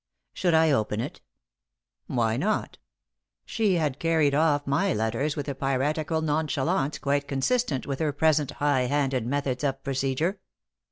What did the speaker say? Should I open it? Why not? She had carried off my letters with a piratical nonchalance quite consistent with her present high handed methods of procedure.